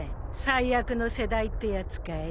最悪の世代ってやつかい？